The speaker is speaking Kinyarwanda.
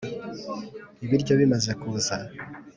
" ibiryo bimaza kuza